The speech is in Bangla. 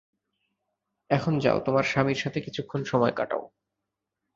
এখন যাও, তোমার স্বামীর সাথে কিছুক্ষণ সময় কাটাও।